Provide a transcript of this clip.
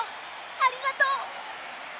ありがとう！